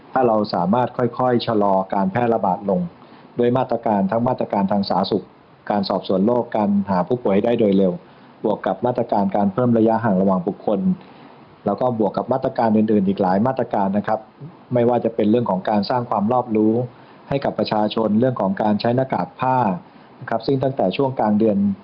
ถ้าเราสามารถค่อยชะลอการแพร่ระบาดลงด้วยมาตรการทั้งมาตรการทางสาธารณสุขการสอบส่วนโรคการหาผู้ป่วยได้โดยเร็วบวกกับมาตรการการเพิ่มระยะห่างระหว่างบุคคลแล้วก็บวกกับมาตรการอื่นอื่นอีกหลายมาตรการนะครับไม่ว่าจะเป็นเรื่องของการสร้างความรอบรู้ให้กับประชาชนเรื่องของการใช้หน้ากากผ้านะครับซึ่งตั้งแต่ช่วงกลางเดือน